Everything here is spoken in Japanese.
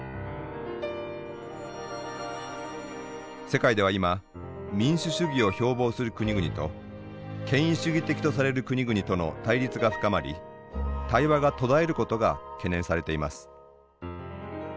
世界では今民主主義を標ぼうする国々と権威主義的とされる国々との対立が深まり対話が途絶えることが懸念されています。